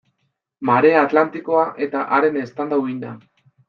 Marea Atlantikoa eta haren eztanda-uhina.